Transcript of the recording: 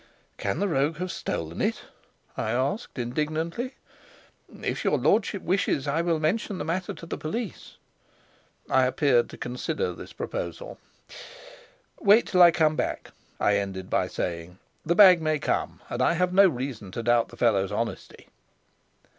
"Can the rogue have stolen it?" I exclaimed indignantly. "If your lordship wishes it, I will mention the matter to the police." I appeared to consider this proposal. "Wait till I come back," I ended by saying. "The bag may come, and I have no reason to doubt the fellow's honesty."